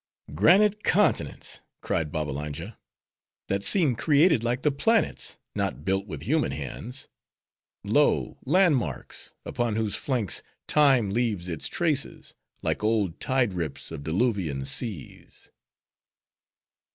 "Granite continents," cried Babbalanja, "that seem created like the planets, not built with human hands. Lo, Landmarks! upon whose flanks Time leaves its traces, like old tide rips of diluvian seas."